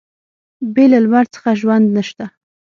بې له لمر څخه ژوند نشته.